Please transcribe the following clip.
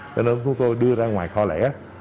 cho nên chúng tôi đưa ra ngoài kho lẻ